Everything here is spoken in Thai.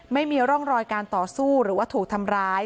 ไม่มีร่องรอยการต่อสู้หรือว่าถูกทำร้าย